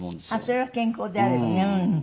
それは健康であればね。